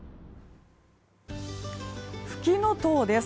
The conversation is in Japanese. フキノトウです。